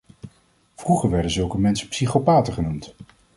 Vroeger werden zulke mensen psychopaten genoemd.